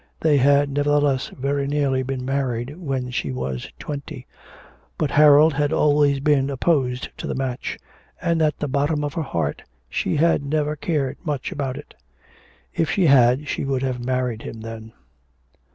They had nevertheless very nearly been married when she was twenty. But Harold had always been opposed to the match, and at the bottom of her heart she had never cared much about it. If she had, she would have married him then...